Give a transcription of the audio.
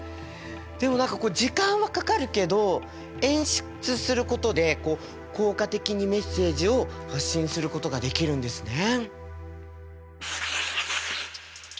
でも何か時間はかかるけど演出することで効果的にメッセージを発信することができるんですね。